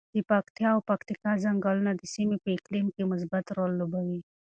د پکتیا او پکتیکا ځنګلونه د سیمې په اقلیم کې مثبت رول لوبوي.